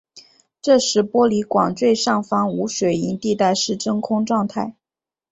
这时玻璃管最上方无水银地带是真空状态。